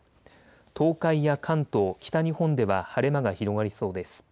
東海や関東、北日本では晴れ間が広がりそうです。